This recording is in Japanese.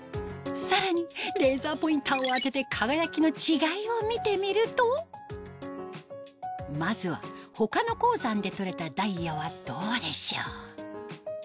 さらにレーザーポインターを当てて輝きの違いを見てみるとまずは他の鉱山で採れたダイヤはどうでしょう？